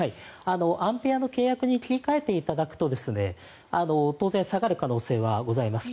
アンペアの契約に切り替えていただくと当然下がる可能性はございます。